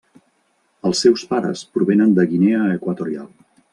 Els seus pares provenen de Guinea Equatorial.